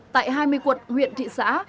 tại hai mươi quận huyện thị xã